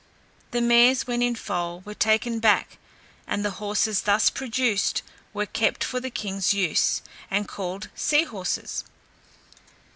The mares when in foal were taken back, and the horses thus produced were kept for the king's use, and called seahorses.